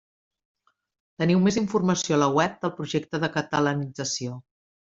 Teniu més informació a la web del projecte de catalanització.